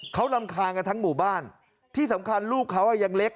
เขารำคาญกันทั้งหมู่บ้านที่สำคัญลูกเขายังเล็ก